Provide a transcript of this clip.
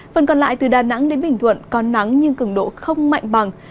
phần còn lại từ đà nẵng đến bình thuận còn nắng nhưng cứng độ không mạnh bằng